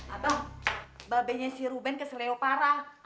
abang babenya si ruben kesel leo parah